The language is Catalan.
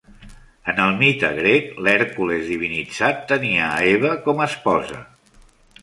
En el mite grec, l'Hèrcules divinitzat tenia a Hebe com a esposa.